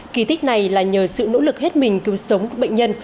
kỳ tích này là nhờ sự nỗ lực hết mình cứu sống của bệnh nhân